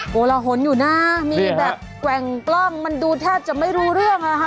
โกละหนอยู่นะมีแบบแกว่งกล้องมันดูแทบจะไม่รู้เรื่องอะค่ะ